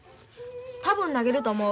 多分投げると思う。